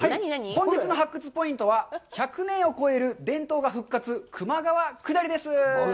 本日の発掘ポイントは１００年を超える伝統が復活、球磨川くだりです。